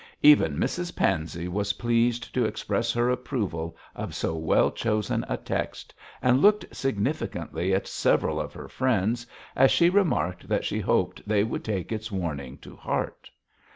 Even Mrs Pansey was pleased to express her approval of so well chosen a text, and looked significantly at several of her friends as she remarked that she hoped they would take its warning to heart.